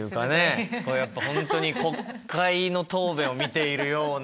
やっぱ本当に国会の答弁を見ているような。